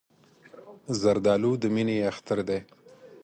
زردالو د مینې اختر دی.